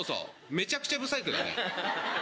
めちゃくちゃブサイクだね。